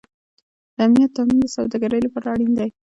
د امنیت تامین د سوداګرۍ لپاره اړین دی